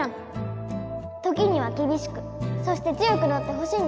時にはきびしくそして強くなってほしいんだよ。